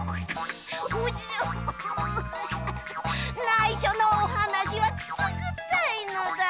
ないしょのおはなしはくすぐったいのだ。